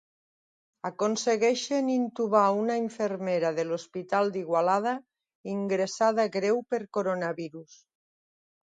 Aconsegueixen intubar una infermera de l'Hospital d'Igualada ingressada greu per coronavirus.